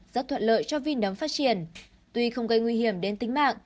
rất thuận lợi cho vi nấm phát triển tuy không gây nguy hiểm đến tính mạng